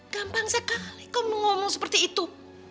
gampang sekali kamu ngomong seperti itu